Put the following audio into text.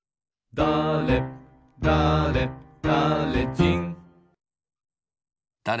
だれだれだれだれ